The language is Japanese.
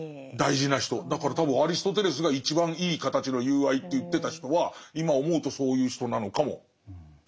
だから多分アリストテレスが一番いい形の友愛って言ってた人は今思うとそういう人なのかもしれない。